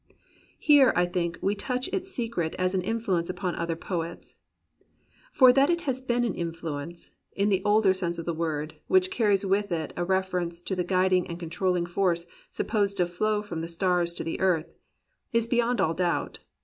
Here, I think, we touch its secret as an influence upon other poets. For that it has been an influence, — ^in the older sense of the word, which carries with it a reference to the guiding and controlling force supposed to flow from the stars to the earth, — is be yond all doubt.